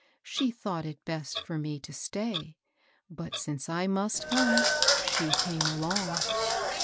She thought it best for me to stay ; but, since I must come, she came along."